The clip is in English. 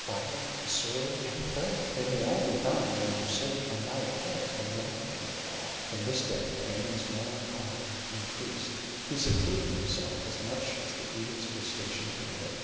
Fire, the sword, and plague! They may all be found in yonder city; on my head alone may they fall!" From this day Raymond's melancholy increased. He secluded himself as much as the duties of his station permitted.